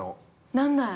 なんない。